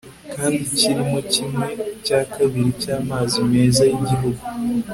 kandi kirimo kimwe cya kabiri cy'amazi meza y'igihugu